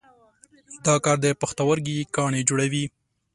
دا کار د پښتورګي کاڼي جوړوي.